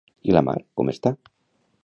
I la mar, com està?